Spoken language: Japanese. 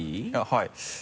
はい。